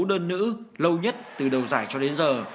trận đấu đơn nữ lâu nhất từ đầu giải cho đến giờ